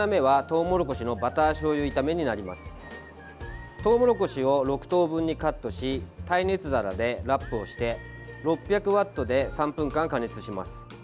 トウモロコシを６等分にカットし耐熱皿でラップをして６００ワットで３分間加熱します。